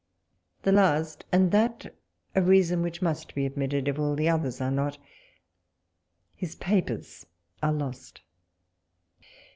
The last, and that a reason which must be admitted, if all the others are not — his papers are lost.